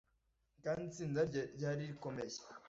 Kandi itsinda rye ryari rikomeye